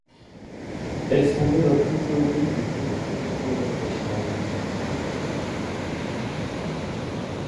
এ স্থানটি দর্শনে প্রতিদিন বিপুল সংখ্যক পর্যটকের সমাগম ঘটে।